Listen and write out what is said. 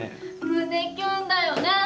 胸キュンだよね。